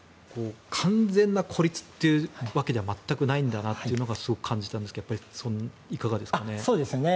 完全な孤立というわけでは全くないんだなとすごく感じたんですがいかがですかね。